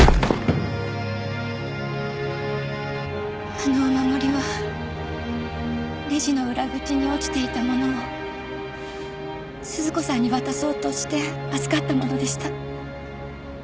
あのお守りはレジの裏口に落ちていたものを鈴子さんに渡そうとして預かったものでした